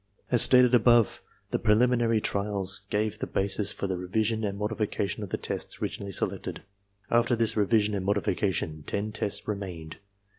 As stated above, the preliminary trials gave the basis for the revision and modification of the tests originally selected. After this revision and modification, ten tests remained.